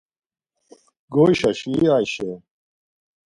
Goyşaşi-i Ayşe.